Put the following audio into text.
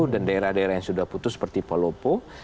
dan daerah daerah yang sudah putus seperti palopo